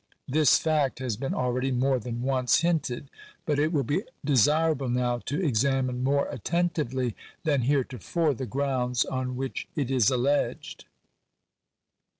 This fact has been already more than once hinted ; but it will be desirable now to examine more attentively than heretofore the grounds on which it is alleged.